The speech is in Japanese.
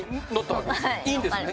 はいいいんですね？